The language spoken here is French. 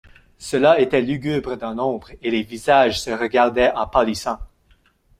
Cela était lugubre dans l’ombre, et les visages se regardaient en pâlissant.